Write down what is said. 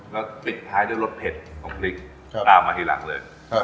แล้วปิดท้ายด้วยรสเผ็ดของพริกตามมาทีหลังเลย